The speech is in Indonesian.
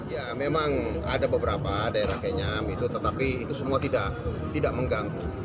ya memang ada beberapa daerah kenyam itu tetapi itu semua tidak mengganggu